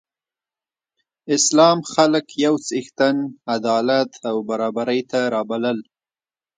اسلام خلک یو څښتن، عدالت او برابرۍ ته رابلل.